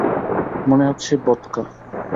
মনে হচ্ছে ভদকা।